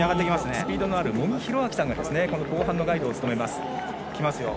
スピードのある茂木洋晃さんがこの後半のガイドを務めます。